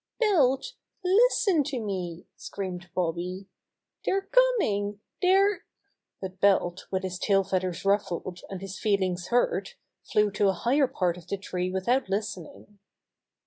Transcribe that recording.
"Belt, listen to me!" screamed Bobby. "They're coming! They're " But Belt with his tail feathers ruffled and his feelings hurt, flew to a higher part of the tree without listening.